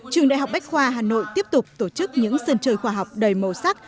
trường đại học bách khoa hà nội tiếp tục tổ chức những sân chơi khoa học đầy màu sắc